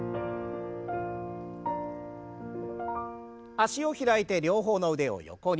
脚を開いて両方の腕を横に。